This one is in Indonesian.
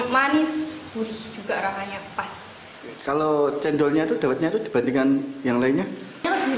manis burih juga rasanya pas kalau cendolnya tuh dapatnya dibandingkan yang lainnya lebih